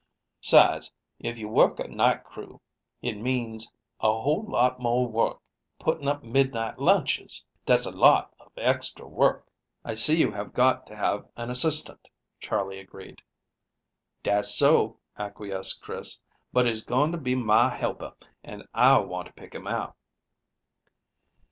'Sides, if you work a night crew hit means a whole lot more work putting up midnight lunches. Dat's a lot of extra work." "I see you have got to have an assistant," Charley agreed. "Dat's so," acquiesced Chris, "but he's going to be mah helper, and I want to pick him out."